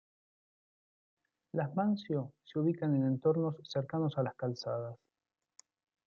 Las mansio, se ubican en entornos cercanos a las calzadas.